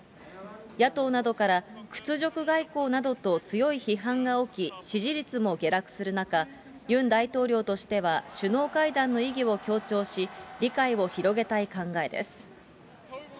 野党などから、屈辱外交などと強い批判が起き、支持率も下落する中、ユン大統領としては首脳会談の意義を強調し、理解を広げたい考えです。